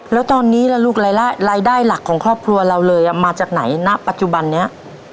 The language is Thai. แล้วตอนนี้ล่ะลูกรายได้หลักของครอบครัวเราเลยมาจากไหนณปัจจุบันนี้